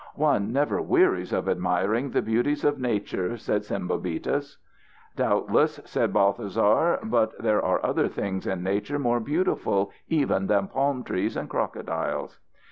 "One never wearies of admiring the beauties of Nature," said Sembobitis. "Doubtless," said Balthasar, "but there are other things in Nature more beautiful even than palm trees and crocodiles."